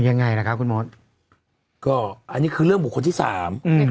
อย่างไรแหละคุณมศก็อันนี้คือเรื่องบุคคลที่สาม